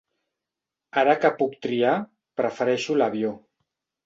Ara que puc triar, prefereixo l'avió.